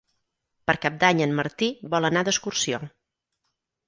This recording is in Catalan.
Per Cap d'Any en Martí vol anar d'excursió.